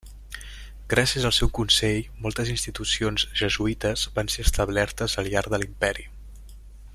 Gràcies al seu consell, moltes institucions jesuïtes van ser establertes al llarg de l'Imperi.